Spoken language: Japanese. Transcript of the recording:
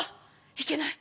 いけない！